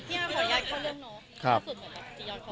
ที่สุดเหมือนกับสีย้อนเขาเปิดตัวมีคนใหม่